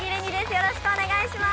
よろしくお願いします！